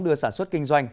đưa sản xuất kinh doanh